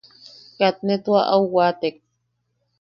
Kat ne tua au waatek.